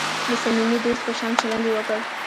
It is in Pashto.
د صمیمي دوست په شان چلند یې وکړ.